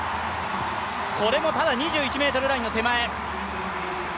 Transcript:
これもただ２１ｍラインの手前。